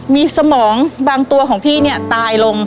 มีสมองบางตัวของพี่ตายลง